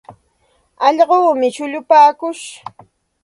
Allquumi shullupaakush.